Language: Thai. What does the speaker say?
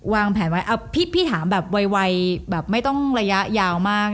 วางแผนไว้พี่ถามแบบไวแบบไม่ต้องระยะยาวมาก